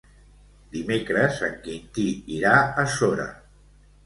Dimecres en Quintí irà a Sora.